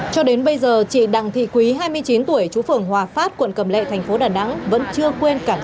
cho đến bây giờ chị đằng thị quý hai mươi chín tuổi chú phưởng hòa pháp quận cầm lệ thành phố đà nẵng vẫn chưa quên cảnh sát